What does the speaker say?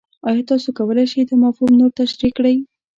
ایا تاسو کولی شئ دا مفهوم نور تشریح کړئ؟